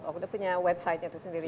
itu punya website nya itu sendiri